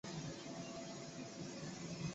影片部分场景于美国德克萨斯州的拍摄。